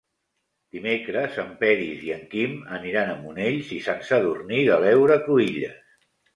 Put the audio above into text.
Dimecres en Peris i en Quim aniran a Monells i Sant Sadurní de l'Heura Cruïlles.